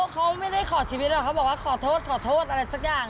เขาไม่ได้ขอชีวิตหรอกเขาบอกว่าขอโทษขอโทษอะไรสักอย่าง